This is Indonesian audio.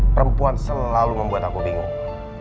perempuan selalu membuat aku bingung